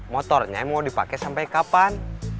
motornya mau dipake sampe kapan